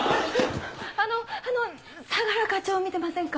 あの相良課長見てませんか？